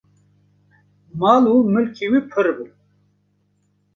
mal û milkê wî pir bû